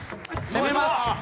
攻めます。